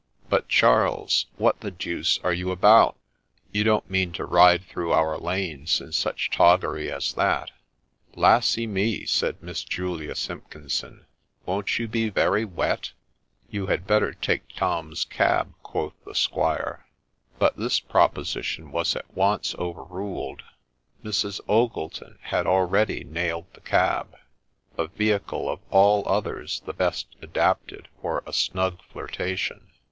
' But, Charles, what the deuce are you about ? you don't mean to ride through our lanes in such toggery as that ?'' Lassy me I ' said Miss Julia Simpkinson, ' won't you be very wet T '' You had better take Tom's cab,' quoth the squire, But this proposition was at once overruled ; Mrs. Ogleton had already nailed the cab, a vehicle of all others the best adapted for a snug flirtation.